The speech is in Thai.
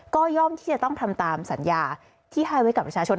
ก็ย่อมที่จะต้องทำตามสัญญาที่ให้ไว้กับประชาชน